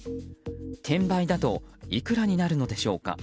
転売だといくらになるのでしょうか。